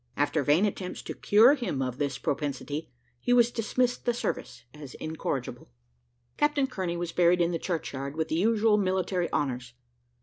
After vain attempts to cure him of this propensity, he was dismissed the service as incorrigible. Captain Kearney was buried in the churchyard with the usual military honours.